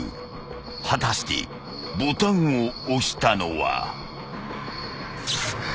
［果たしてボタンを押したのは］